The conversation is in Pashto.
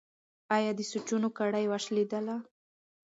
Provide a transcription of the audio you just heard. ایا د سوچونو کړۍ وشلیدله؟